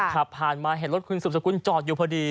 ขับผ่านมาเห็นรถคุณสุบสกุลจอดอยู่พอดี